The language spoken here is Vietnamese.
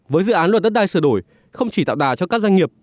với dự án luật đất đai sửa đổi không chỉ tạo đà cho các doanh nghiệp